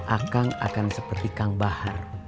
akan akan seperti kang bahr